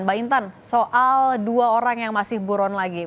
mbak intan soal dua orang yang masih buron lagi